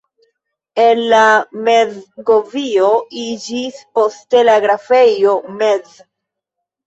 El la Metz-govio iĝis poste la grafejo Metz.